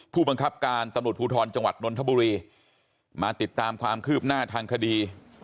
ผู้บังคับการตำรวจภูทรจังหวัดนนทบุรีมาติดตามความคืบหน้าทางคดี